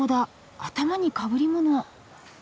頭にかぶりもの。